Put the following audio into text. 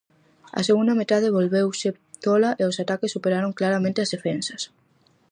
A segunda metade volveuse tola, e os ataques superaron claramente ás defensas.